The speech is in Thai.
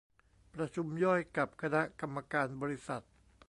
ประชุมย่อยกับคณะกรรมการบริษัท